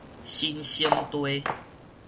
新生地